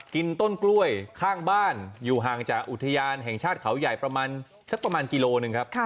กินต้นกล้วยข้างบ้านอยู่ห่างจากอุทยานแห่งชาติเขาใหญ่ประมาณสักประมาณกิโลหนึ่งครับ